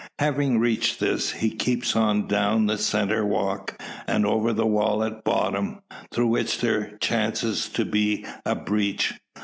Having reached this, he keeps on down the centre walk, and over the wall at bottom, through which there chances to be a breach.